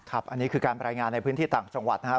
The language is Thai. ครับอันนี้คือการบรรยายงานในพื้นที่ต่างจังหวัดนะคะ